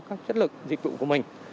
chất lượng dịch vụ của mình